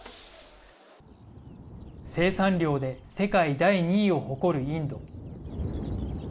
生産量で世界第２位を誇るインド。